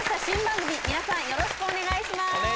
新番組皆さんよろしくお願いします。